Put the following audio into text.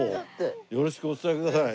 よろしくお伝えください。